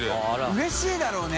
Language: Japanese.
うれしいだろうね。